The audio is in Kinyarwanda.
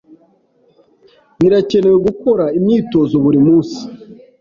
Birakenewe gukora imyitozo buri munsi.